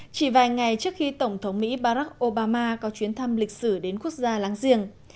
chỉ vài ngày trước khi tổng thống mỹ barack obama có chuyến thăm lịch sử đến quốc gia láng giềng